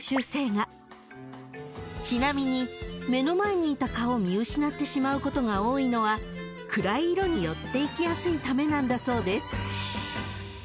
［ちなみに目の前にいた蚊を見失ってしまうことが多いのは暗い色に寄っていきやすいためなんだそうです］